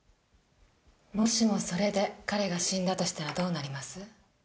もしもそれで彼が死んだとしたらどうなります？